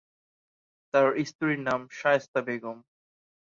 তার স্ত্রীর নাম শায়েস্তা বেগম।